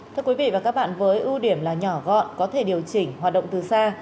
thưa quý vị và các bạn với ưu điểm là nhỏ gọn có thể điều chỉnh hoạt động từ xa